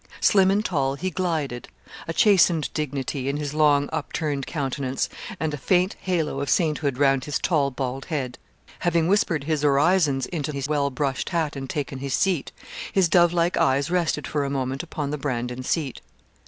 Slim and tall, he glided, a chastened dignity in his long upturned countenance, and a faint halo of saint hood round his tall bald head. Having whispered his orisons into his well brushed hat and taken his seat, his dove like eyes rested for a moment upon the Brandon seat.